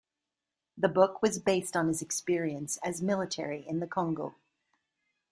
The book was based on his experience as military in the Congo.